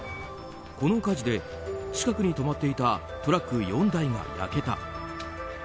この火事で、近くに止まっていたトラック４台が焼けた。